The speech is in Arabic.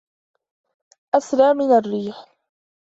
أسرع من الريح